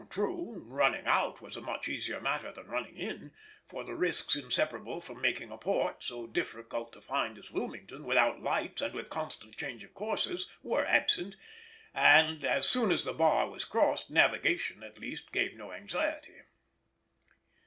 True, running out was a much easier matter than running in, for the risks inseparable from making a port, so difficult to find as Wilmington, without lights, and with constant change of courses, were absent, and as soon as the bar was crossed navigation at least gave no anxiety.